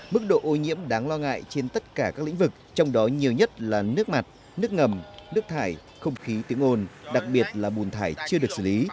mức độ ô nhiễm đáng lo ngại trên tất cả các lĩnh vực trong đó nhiều nhất là nước mặt nước ngầm nước thải không khí tiếng ồn đặc biệt là bùn thải chưa được xử lý